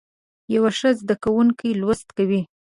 یو ښه زده کوونکی لوست کوي.